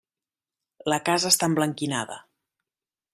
La casa està emblanquinada.